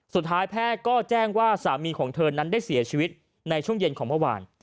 สุดท้ายแพทย์ก็แจ้งว่าสามีของเธอนั้นได้เสียชีวิตในช่วงเย็นของเมื่อวาน